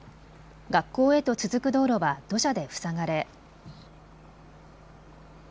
学校へと続く道路は土砂で塞がれ。